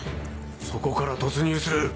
そこから突入する。